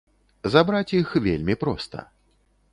Забраць іх вельмі проста.